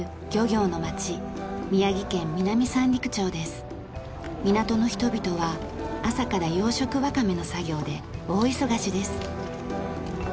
港の人々は朝から養殖わかめの作業で大忙しです。